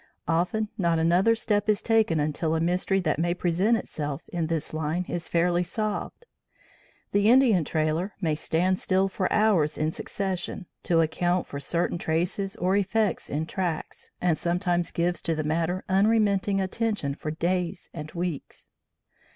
Often not another step is taken until a mystery that may present itself in this line is fairly solved. The Indian trailer will stand still for hours in succession, to account for certain traces or effects in tracks, and sometimes gives to the matter unremitting attention for days and weeks.